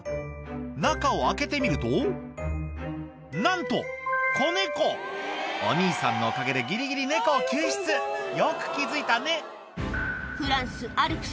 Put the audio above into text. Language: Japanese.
中を開けてみるとなんとお兄さんのおかげでギリギリネコを救出よく気付いたね